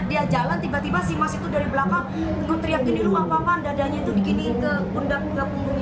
dia jalan tiba tiba si mas itu dari belakang tuh teriak gini lu apa apaan dadanya tuh dikini ke bunda punggungnya